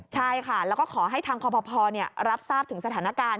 ใช่ค่ะแล้วก็ขอให้ทางคอปภรับทราบถึงสถานการณ์